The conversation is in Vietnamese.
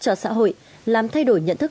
cho xã hội làm thay đổi nhận thức